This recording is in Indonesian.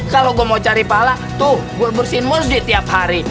kalau gua mau cari pahala tuh gua bersihin mosjit tiap hari